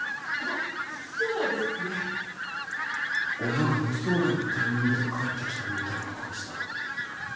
親が予想外のタイミングで帰ってきたみたいな感じだな